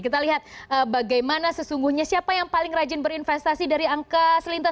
kita lihat bagaimana sesungguhnya siapa yang paling rajin berinvestasi dari angka selintas